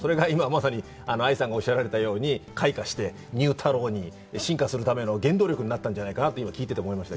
今、まさにそれが愛さんがおっしゃったように開花して、ニュー太郎に進化するための原動力になったんじゃないかなと聞いていて思い